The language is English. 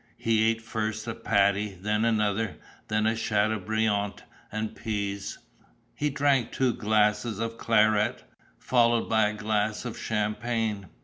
He ate first a patty, then another, then a châteaubriant and peas. He drank two glasses of claret, followed by a glass of champagne.